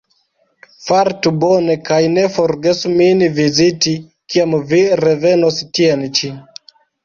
Fartu bone kaj ne forgesu min viziti, kiam vi revenos tien ĉi.